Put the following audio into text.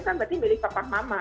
kan berarti milih papah mama